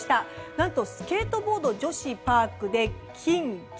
何とスケートボード女子パークで金銀。